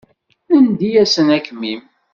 Nendi-asent akmin.